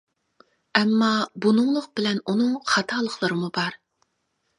ئەمما بۇنىڭلىق بىلەن ئۇنىڭ خاتالىقلىرىمۇ بار.